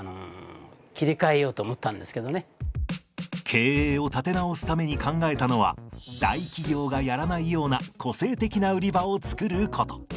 経営を立て直すために考えたのは大企業がやらないような個性的な売り場を作ること。